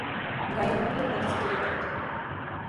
Гајим наду да ће се то догодити.